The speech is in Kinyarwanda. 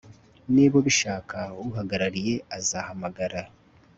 Niba ubishaka uhagarariye azahamagara